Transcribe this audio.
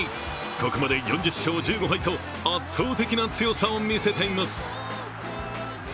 ここまで４０勝１５敗と圧倒的な強さ見せています